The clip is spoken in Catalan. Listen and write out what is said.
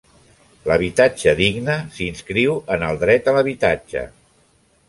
L'habitatge digne s'inscriu en el dret a l'habitatge.